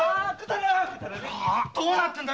どうなってんだ！？